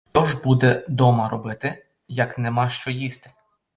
Що ж буде дома робити, як нема що їсти!